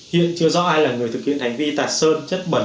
hiện chưa rõ ai là người thực hiện hành vi tạc sơn chất bẩn